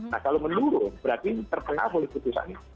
nah kalau menurun berarti terpengaruh keputusan ini